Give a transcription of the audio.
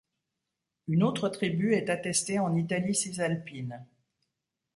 Une autre tribu est attestée en Italie cisalpine.